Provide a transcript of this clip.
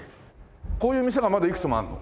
こういう店がまだいくつもあんの？